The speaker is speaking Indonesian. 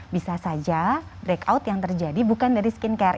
bisa saja breakout yang terjadi bukan dari skincare